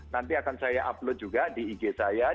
nanti akan saya upload juga di ig saya